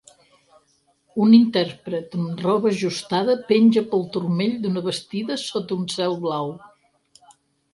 Un interpret amb roba ajustada penja pel turmell d'una bastida sota un cel blau.